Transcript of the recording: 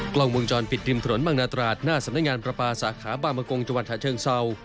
กล้องวงจรปิดริมถนนบางนาตราดหน้าสำนักงานประปาสาขาบางมะกงจังหวัดฉะเชิงเศร้า